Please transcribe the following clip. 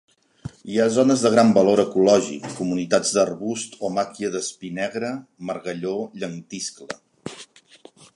Hi ha zones de gran valor ecològic, comunitats d'arbust o màquia d'espí negre, margalló, llentiscle.